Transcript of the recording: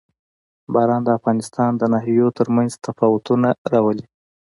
باران د افغانستان د ناحیو ترمنځ تفاوتونه راولي.